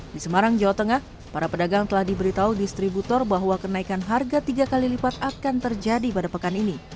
di semarang jawa tengah para pedagang telah diberitahu distributor bahwa kenaikan harga tiga kali lipat akan terjadi pada pekan ini